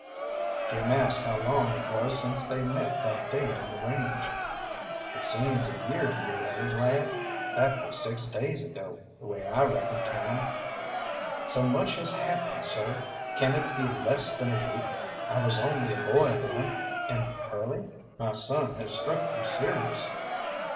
Jim asked how long it was since they met that day on the range. "It seems a year to you, eh, lad? That was six days ago, the way I reckon time." "So much has happened sir can it be less than a week? I was only a boy then and Curly " "My son has struck you serious."